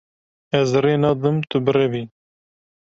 Ez rê nadim tu birevî.